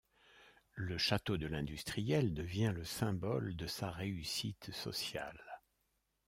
Le château de l'industriel devient le symbole de sa réussite sociale.